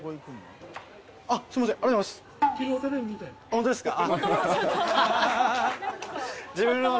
ホントですか？